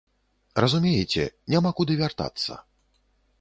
Разумееце, няма куды вяртацца.